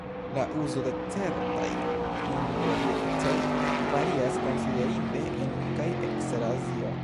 La uzo de certaj ingrediencoj varias konsiderinde en kaj ekster Azio.